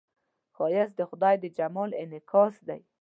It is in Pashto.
ښایست د خدای د جمال انعکاس دی